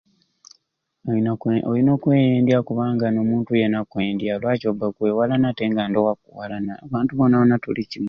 Olina kwe olina okweyendya kubanga n'omuntu yeena akkwendya lwaki obba okwewalana ate nga ndoowo akuwalana abantu boona boona tuli kimwe.